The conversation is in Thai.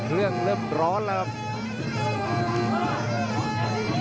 เรื่องเริ่มร้อนแล้วครับ